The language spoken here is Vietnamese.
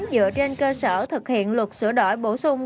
dựa trên cơ sở thực hiện luật sửa đổi bổ sung